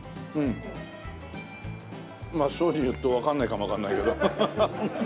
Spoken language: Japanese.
まあそう言うとわかんないかもわかんないけど。